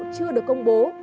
chưa được công bố